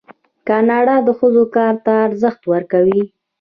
کاناډا د ښځو کار ته ارزښت ورکوي.